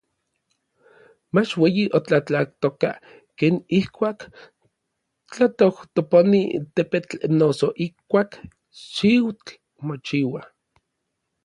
mach ueyi otlatlatoka, ken ijkuak tlatojtoponi tepetl noso ijkuak xiutl mochiua.